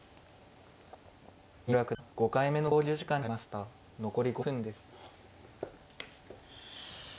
三浦九段５回目の考慮時間に入りました残り５分です。